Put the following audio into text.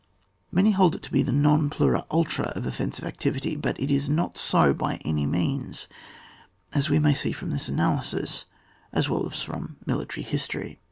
Many hold it to be the non plus ultra of offensive activity ; but it is not so by any means, as we may see from this analysis, as well as from military history.